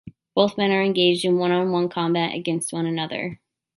Both men are engaged in one-on-one combat against one another.